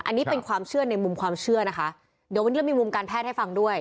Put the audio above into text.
อันนี้เป็นความเชื่อในมุมความเชื่อนะคะเดี๋ยววันนี้เรามีมุมการแพทย์ให้ฟังด้วย